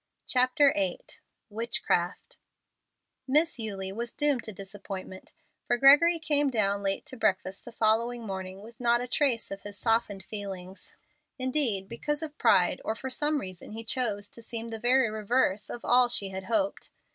CHAPTER VIII WITCHCRAFT Miss Eulie was doomed to disappointment, for Gregory came down late to breakfast the following morning with not a trace of his softened feelings. Indeed, because of pride, or for some reason, he chose to seem the very reverse of all she had hoped.